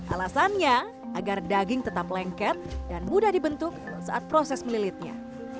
alasannya agar daging tetap lengket dan mudah dibentuk saat proses melilitnya